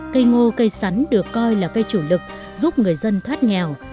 cây ngô cây sắn được coi là cây chủ lực giúp người dân thoát nghèo